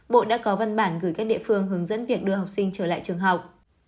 bộ đã có văn bản gửi các địa phương hướng dẫn việc đưa học sinh trở lại trường học